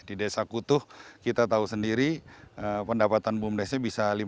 di desa kutuh kita tahu sendiri pendapatan bumdes nya bisa lima puluh tujuh miliar